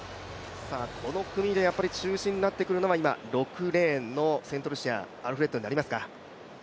この組で中心になってくるのは、今６レーンのセントルシア、アルフレッドになりますか？